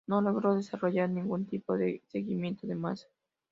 No logró desarrollar ningún tipo de seguimiento de masa.